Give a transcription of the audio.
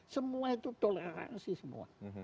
semua itu toleransi semua